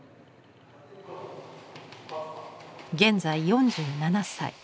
現在４７歳。